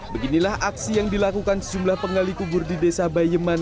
beginilah aksi yang dilakukan sejumlah penggali kubur di desa bayeman